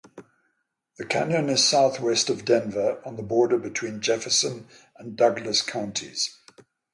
The canyon is southwest of Denver on the border between Jefferson and Douglas counties.